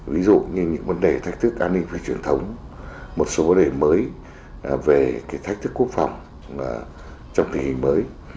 ví dụ như những vấn đề thách thức an ninh về truyền thống một số vấn đề mới về thách thức quốc phòng trong tình hình mới